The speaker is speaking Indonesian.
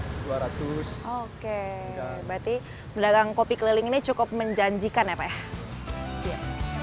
ya kalau sehari ya man man dua ratus oke berarti pedagang kopi keliling ini cukup menjanjikan ya pak ya